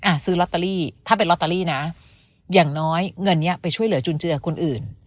ซื้อลอตเตอรี่ถ้าเป็นลอตเตอรี่นะอย่างน้อยเงินเนี้ยไปช่วยเหลือจุนเจือคนอื่น